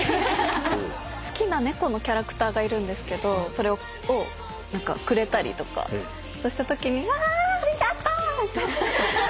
好きなネコのキャラクターがいるんですけどそれをくれたりとかそうしたときにわありがとう！ネコ！